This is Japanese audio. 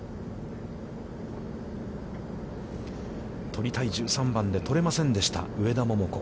取りたい１３番で取れませんでした、上田桃子。